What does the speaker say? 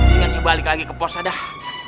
ini masih balik lagi ke posa dah